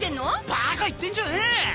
バカ言ってんじゃねえ！